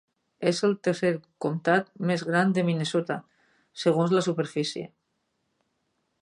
És el tercer comtat més gran de Minnesota segons la superfície.